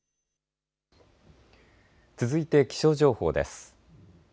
続いて気象情報です。